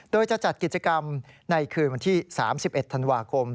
โดยจะจัดกิจกรรมในคืนวันที่๓๑ธันวาคม